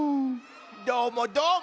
どーもどーも。